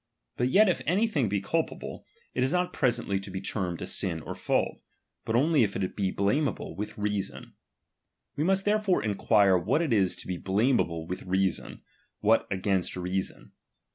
But yet if any thing be culpable, it is not presently to be termed a sin or J'auli ; but only if it be blameable with reason. We must therefore enquire what it is to be blameahle with reason, what against reason.